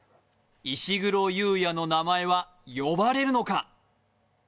石黒佑弥の名前は呼ばれるのか？